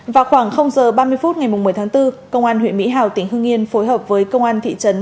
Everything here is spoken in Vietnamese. vào khoảng h ba mươi phút ngày một mươi tháng bốn công an huyện mỹ hào tỉnh hương yên phối hợp với công an thị trấn